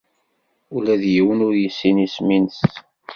Ula d yiwen ur yessin isem-nnes.